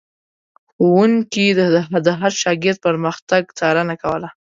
ښوونکي د هر شاګرد پرمختګ څارنه کوله.